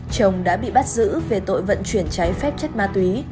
chồng đã bị bắt giữ về tội vận chuyển trái phép chất ma túy